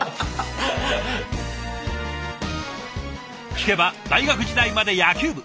聞けば大学時代まで野球部。